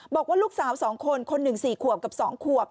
บอกว่าลูกสาว๒คนคนหนึ่ง๔ขวบกับ๒ขวบ